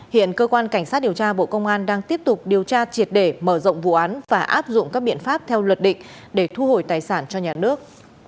hiện cơ quan cảnh sát điều tra bộ công an đang tiếp tục điều tra triệt để mở rộng vụ án và áp dụng các biện pháp theo luật định để thu hồi tài sản cho nhà nước